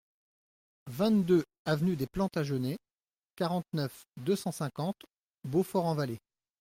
vingt-deux avenue des Plantagenêts, quarante-neuf, deux cent cinquante, Beaufort-en-Vallée